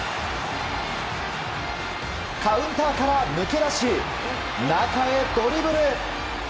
カウンターから抜け出し中へドリブル。